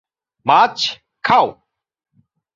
মাছ খাও।